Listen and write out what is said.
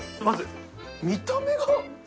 まず見た目が。